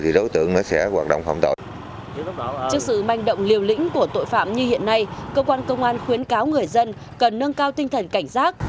trước sự manh động liều lĩnh của tội phạm như hiện nay cơ quan công an khuyến cáo người dân cần nâng cao tinh thần cảnh giác